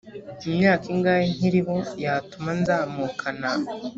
imyaka ingahe nkiriho yatuma nzamukana